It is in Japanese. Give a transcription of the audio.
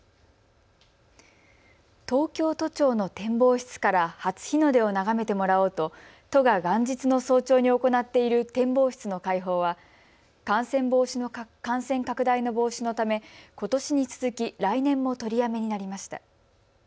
東京都庁の展望室から初日の出を眺めてもらおうと都が元日の早朝に行っている展望室の開放は感染拡大の防止のためことしに続き来年も取りやめになりました。